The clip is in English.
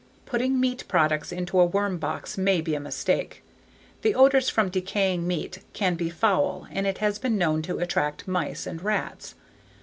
Putting meat products into a worm box may be a mistake. The odors from decaying meat can be foul and it has been known to attract mice and rats.